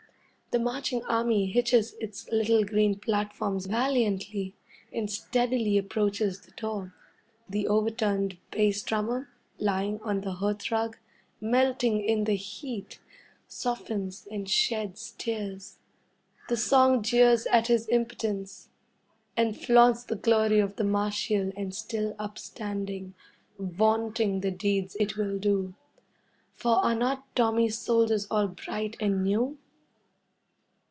The marching army hitches its little green platforms valiantly, and steadily approaches the door. The overturned bass drummer, lying on the hearth rug, melting in the heat, softens and sheds tears. The song jeers at his impotence, and flaunts the glory of the martial and still upstanding, vaunting the deeds it will do. For are not Tommy's soldiers all bright and new?